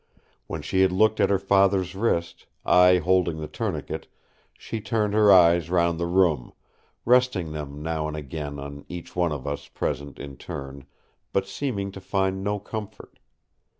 When she had looked at her father's wrist, I holding the tourniquet, she turned her eyes round the room, resting them now and again on each one of us present in turn, but seeming to find no comfort.